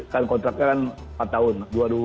kan kontraknya kan empat tahun